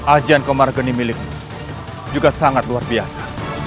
ajian komar geni milikmu juga sangat luar biasa